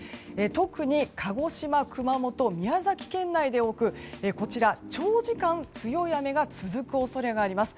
特に鹿児島、熊本宮崎県内で多く長時間強い雨が続く恐れがあります。